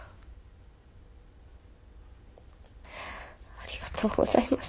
ありがとうございます。